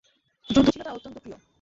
যুদ্ধ ছিল তার অত্যন্ত প্রিয়।